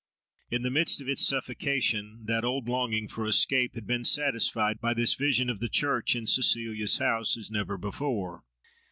In the midst of its suffocation, that old longing for escape had been satisfied by this vision of the church in Cecilia's house, as never before.